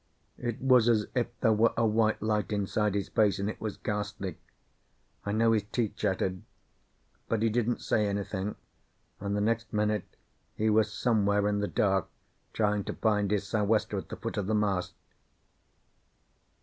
It was as if there were a white light inside his face, and it was ghastly. I know his teeth chattered. But he didn't say anything, and the next minute he was somewhere in the dark trying to find his sou'wester at the foot of the mast.